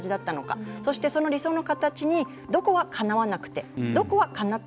そして、その理想の形にどこは、かなわなくてどこは、かなったのか。